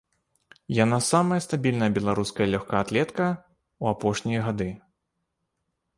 Яна самая стабільная беларуская лёгкаатлетка ў апошнія гады.